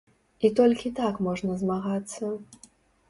І толькі так можна змагацца.